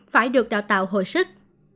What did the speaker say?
phải được đào tạo hồi sức